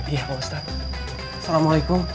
iya pak ustad assalamualaikum